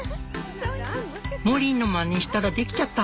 「モリーのまねしたらできちゃった。